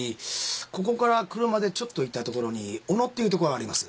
ここから車でちょっと行った所に小野っていうとこがあります。